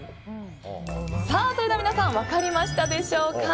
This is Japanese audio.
それでは皆さん分かりましたでしょうか。